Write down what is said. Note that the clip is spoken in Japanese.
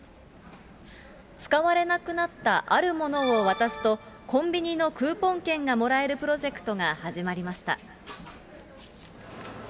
使われなくなった、あるものを渡すと、コンビニのクーポン券がもらえるプロジェクトが始まりました。